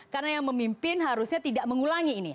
karena yang memimpin harusnya tidak mengulangi ini